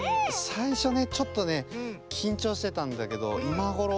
さいしょねちょっとねきんちょうしてたんだけどいまごろ